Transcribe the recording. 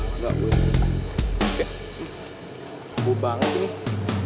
pilihan nomor sepuluh sendiri bisa menghasilkan k trial